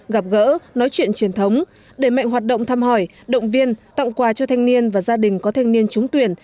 gặp gỡ nói chuyện truyền thống đẩy mạnh hoạt động thăm hỏi động viên tặng quà cho thanh niên và gia đình có thanh niên trúng tuyển